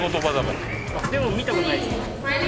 でも見た事ないですか？